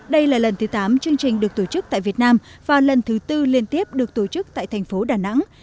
đây là lần thứ tám chương trình được tổ chức tại việt nam và lần thứ tư liên tiếp được tổ chức tại thành phố đà nẵng